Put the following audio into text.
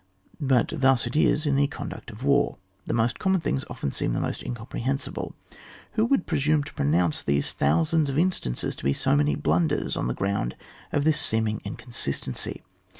But thus it is in the conduct of war; the most common things often seem the most incomprehensible. Who would presume to pronounce these thou sands of instances to be so many blunders on the ground of this seeming inconsis tency